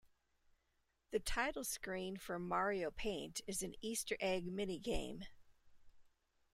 The title screen for "Mario Paint" is an Easter egg mini-game.